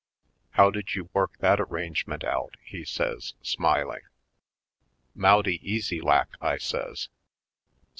"How did you work that arrangement out?" he says, smiling. "Mouty easy lak," I says.